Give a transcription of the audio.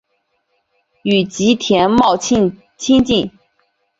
与吉田茂亲近。